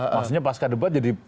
maksudnya pasca debat jadi